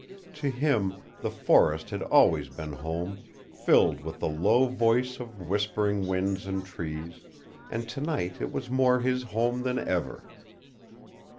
To him the forest had always been home, filled with the low voice of whispering winds and trees, and to night it was more his home than ever.